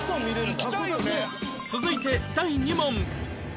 続いて第２問